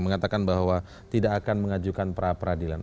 mengatakan bahwa tidak akan mengajukan pra peradilan